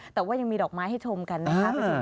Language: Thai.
แต่ว่ายังมีดอกไม้ให้ชมกันนะคะ